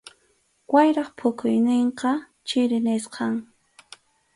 Wayrap phukuyninqa chiri nisqam.